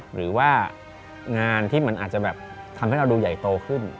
หรือว่างานที่มันอาจจะแบบทำให้เราดูใหญ่โตขึ้น